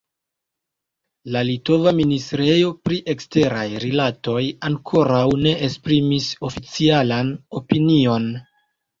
La litova ministrejo pri eksteraj rilatoj ankoraŭ ne esprimis oficialan opinion.